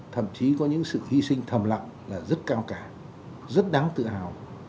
thậm chí có những sự hy sinh thầm lặng là rất cao rất đáng tự hào